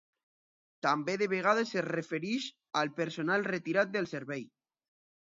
També de vegades es refereix al personal retirat del servei.